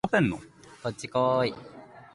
こっちこい